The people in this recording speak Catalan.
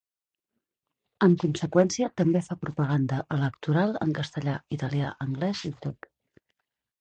En conseqüència, també fa propaganda electoral en castellà, italià, anglès i grec.